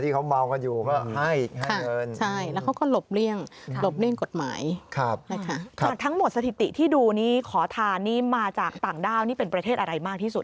ประตูนักท่องเที่ยวที่เขาเมาส์กันอยู่